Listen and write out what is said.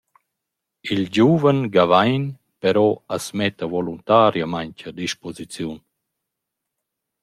Il giuven Gawain però as metta voluntariamaing a disposiziun.